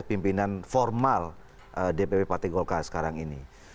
pimpinan formal di pp partai golkar sekarang ini